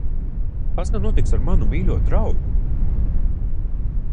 Kas gan notiks ar manu mīļo draugu?